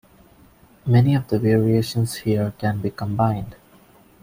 Many of the variations here can be combined.